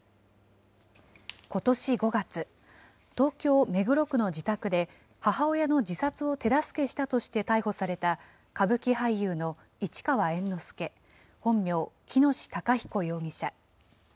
ことし５月、東京・目黒区の自宅で、母親の自殺を手助けしたとして逮捕された歌舞伎俳優の市川猿之助、本名・喜熨斗孝彦容疑者。